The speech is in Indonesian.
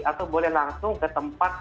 atau boleh langsung ke tempat